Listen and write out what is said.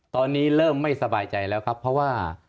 ตอนนี้เริ่มไม่สบายใจแล้วครับเพราะว่า